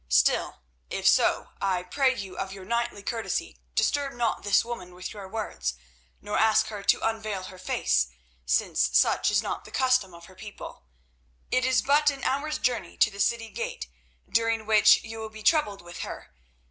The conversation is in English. Still, if so, I pray you of your knightly courtesy disturb not this woman with your words, nor ask her to unveil her face, since such is not the custom of her people. It is but an hour's journey to the city gate during which you will be troubled with her.